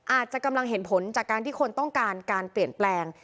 อาจจะกำลังเห็นผลจากการที่คนต้องการการเปลี่ยนแปลง